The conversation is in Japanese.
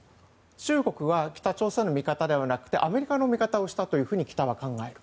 中国は北朝鮮の味方ではなくてアメリカの見方をしたと北は考える。